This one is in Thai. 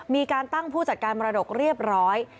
มีการตั้งผู้จัดการมรดกเรียบร้อย